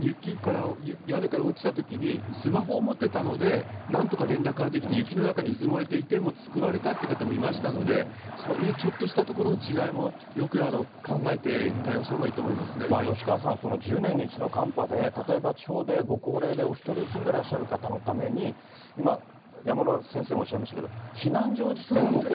雪、屋根から落ちたときにスマホを持ってたので、なんとか連絡ができて、雪の中にうずもれていても救われたという方もいらっしゃいましたので、そういうちょっとしたところの違いも、よく考えて対応した吉川さん、１０年に一度の寒波で、例えば地方でご高齢でお１人で住んでいらっしゃる方のために、今、山村先生もいらっしゃいましたけど、避難所を自治体が設ける。